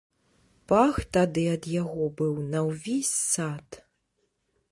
Пах тады ад яго быў на ўвесь сад!